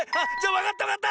わかったわかった！